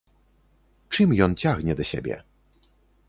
Чым ён цягне да сябе?